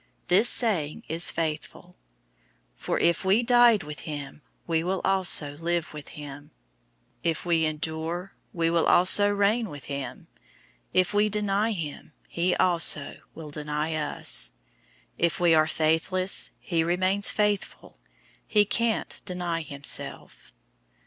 002:011 This saying is faithful: "For if we died with him, we will also live with him. 002:012 If we endure, we will also reign with him. If we deny him, he also will deny us. 002:013 If we are faithless, he remains faithful. He can't deny himself."